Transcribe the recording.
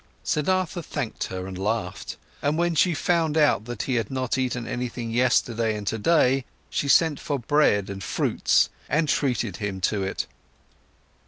Siddhartha thanked her and laughed, and when she found out that he had not eaten anything yesterday and today, she sent for bread and fruits and treated him to it.